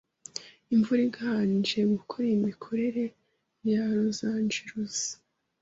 Imvura iganje gukora iyi mikorere ya Losanjirosi